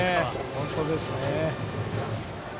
本当ですね。